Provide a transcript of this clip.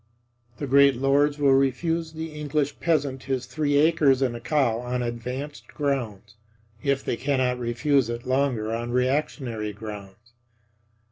The great lords will refuse the English peasant his three acres and a cow on advanced grounds, if they cannot refuse it longer on reactionary grounds.